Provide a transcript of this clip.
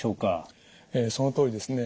そのとおりですね。